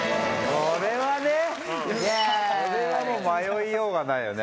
これはもう迷いようがないよね。